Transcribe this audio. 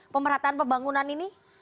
pemerataan pembangunan ini